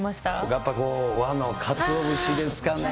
やっぱこの和のかつお節ですかね。